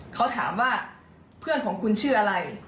เขาถามว่าเพื่อนของคุณชื่ออะไร